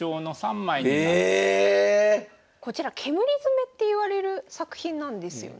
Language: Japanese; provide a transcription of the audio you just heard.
こちら煙詰っていわれる作品なんですよね。